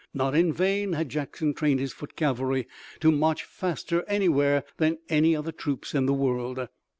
Not in vain had Jackson trained his foot cavalry to march faster anywhere than any other troops in the world.